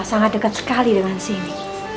sangat dekat sekali dengan sini